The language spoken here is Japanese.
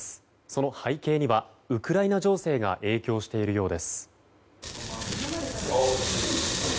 その背景にはウクライナ情勢が影響しているようです。